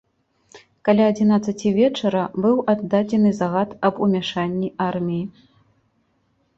Каля адзінаццаці вечара быў аддадзены загад аб умяшанні арміі.